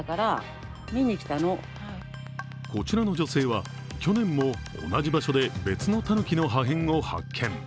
こちらの女性は去年も同じ場所で別のたぬきの破片を発見。